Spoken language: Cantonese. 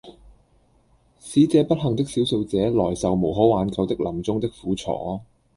使這不幸的少數者來受無可挽救的臨終的苦楚，